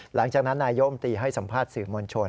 หลังจากนั้นนายมตีให้สัมภาษณ์สื่อมวลชน